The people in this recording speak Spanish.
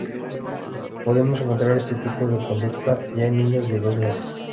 Podemos encontrar este tipo de conducta ya en niños de dos meses.